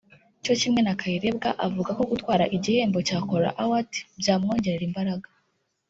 cyo kimwe na Kayirebwa uvuga ko gutwara igihembo cya Kora Award byamwongerera imbaraga